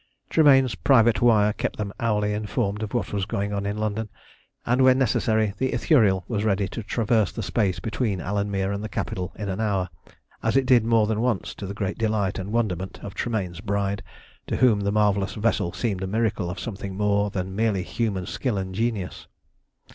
Tremayne's private wire kept them hourly informed of what was going on in London, and when necessary the Ithuriel was ready to traverse the space between Alanmere and the capital in an hour, as it did more than once to the great delight and wonderment of Tremayne's bride, to whom the marvellous vessel seemed a miracle of something more than merely human skill and genius.